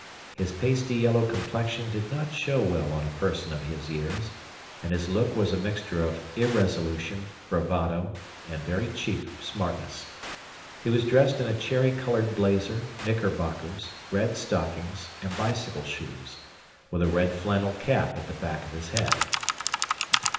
His pasty yellow complexion did not show well on a person of his years, and his look was a mixture of irresolution, bravado, and very cheap smartness. He was dressed in a cherry coloured blazer, knickerbockers, red stockings, and bicycle shoes, with a red flannel cap at the back of the head.